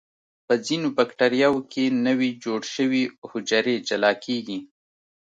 په ځینو بکټریاوو کې نوي جوړ شوي حجرې جلا کیږي.